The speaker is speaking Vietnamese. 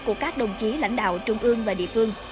của các đồng chí lãnh đạo trung ương và địa phương